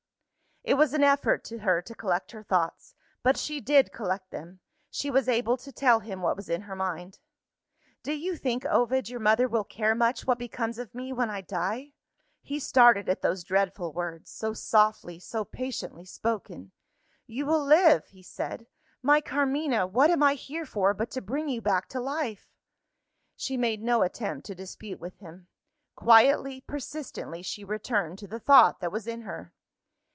It was an effort to her to collect her thoughts but she did collect them. She was able to tell him what was in her mind. "Do you think, Ovid, your mother will care much what becomes of me, when I die?" He started at those dreadful words so softly, so patiently spoken. "You will live," he said. "My Carmina, what am I here for but to bring you back to life?" She made no attempt to dispute with him. Quietly, persistently, she returned to the thought that was in her.